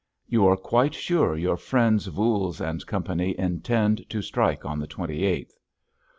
"You are quite sure your friends Voules and Company intend to strike on the twenty eighth?"